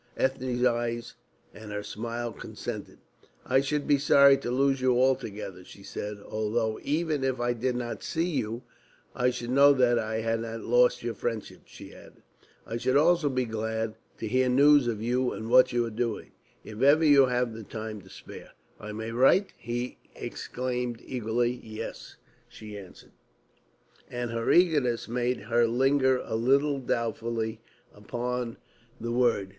Ethne's eyes and her smile consented. "I should be sorry to lose you altogether," she said, "although even if I did not see you, I should know that I had not lost your friendship." She added, "I should also be glad to hear news of you and what you are doing, if ever you have the time to spare." "I may write?" he exclaimed eagerly. "Yes," she answered, and his eagerness made her linger a little doubtfully upon the word.